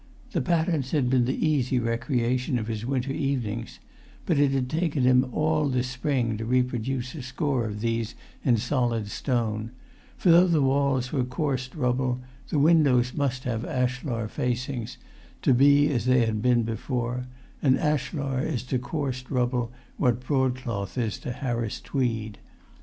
The patterns had been the easy recreation of his winter evenings, but it had taken him all the spring to reproduce a score of these in solid stone; for though the[Pg 247] walls were coursed rubble, the windows must have ashlar facings, to be as they had been before; and ashlar is to coursed rubble what broadcloth is to Harris tweed.